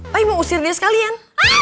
pak i mau usir dia sekalian